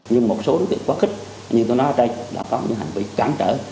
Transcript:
nhưng một số đối tượng quá khích như tôi nói ở đây là có những hành vi cám trở